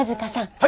はい！